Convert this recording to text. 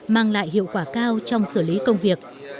mang lại hiệu quả cao trong sự làm việc của bí thư ngọc